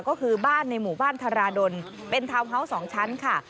ก็คือบ้านในหมู่บ้านธาราดลเป็นทาวน์เฮาส์๒ชั้นค่ะ